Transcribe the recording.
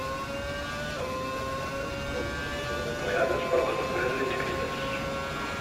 Les dites plaques poden ser únicament empleades per les empreses inscrites.